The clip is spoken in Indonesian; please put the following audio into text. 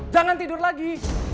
jangan tidur lagi